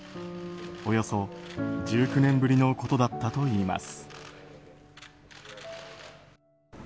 およそ１９年ぶりのことだったといいます。